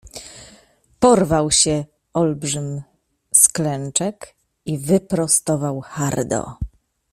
Porwał się olbrzym z klęczek i wyprostował hardo.